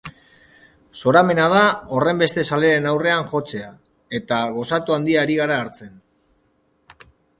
Zoramena da horrenbeste zaleren aurrean jotzea, eta gozatu handia ari gara hartzen.